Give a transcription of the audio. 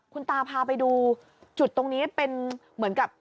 คุณตาพาไปดูจุดตรงนี้เป็นเหมือนกับ